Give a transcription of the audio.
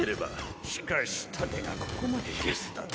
しかし盾がここまでゲスだとは。